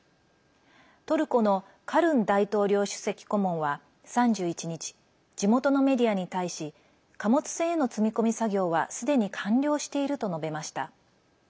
トルコのカルン大統領主席顧問は３１日、地元のメディアに対し貨物船への積み込み作業はすでに完了していると述べました。